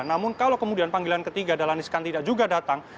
namun kalau kemudian panggilan ketiga dahlan iskan tidak juga datang